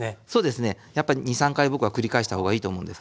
やっぱ２３回僕は繰り返したほうがいいと思うんですけど。